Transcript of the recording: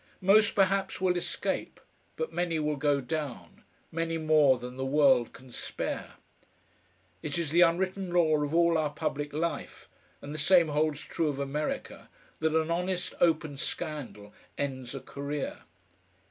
Most perhaps will escape, but many will go down, many more than the world can spare. It is the unwritten law of all our public life, and the same holds true of America, that an honest open scandal ends a career.